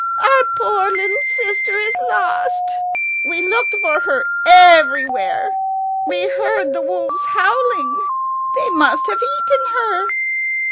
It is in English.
Our poor little sister is lost. We looked for her everywhere. We heard the wolves howling. They must have eaten her."